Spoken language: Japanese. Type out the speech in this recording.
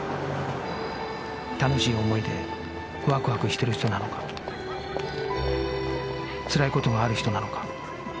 楽しい思いでわくわくしてる人なのかつらい事がある人なのか